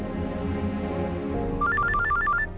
sampai jumpa lagi